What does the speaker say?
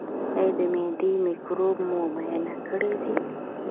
ایا د معدې مکروب مو معاینه کړی دی؟